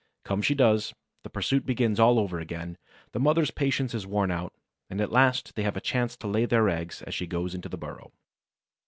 Come she does; the pursuit begins all over again; the mother's patience is worn out, and at last they have a chance to lay their eggs as she goes into the burrow.